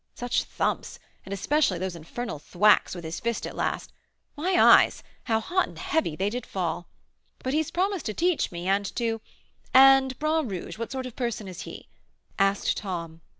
Such thumps! and especially those infernal thwacks with his fist at last. My eyes! how hot and heavy they did fall! But he's promised to teach me, and to " "And Bras Rouge, what sort of a person is he?" asked Tom.